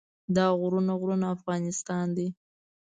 دا غرونه غرونه افغانستان دی.